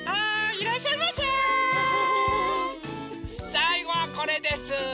さいごはこれです。